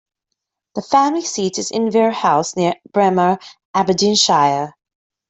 The family seat is Inverey House, near Braemar, Aberdeenshire.